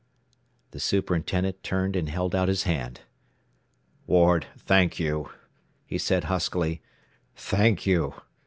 The superintendent turned and held out his hand. "Ward, thank you," he said huskily. "Thank you.